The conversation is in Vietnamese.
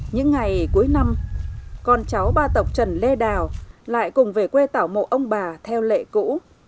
những ngày cuối năm con cháu ba tộc trần lê đào lại cùng về quê tảo mộ ông bà theo lệ cũ